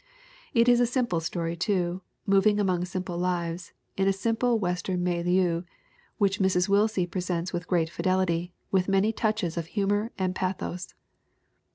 It is a simple story too, moving among sim ple lives, in a simple Western milieu which Mrs. Will sie presents with great fidelity, with many touches of humor and pathos.